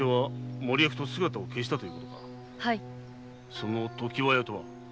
その常盤屋とは？